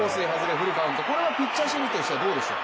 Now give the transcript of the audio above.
フルカウント、ここはピッチャー心理としてはどうでしょう。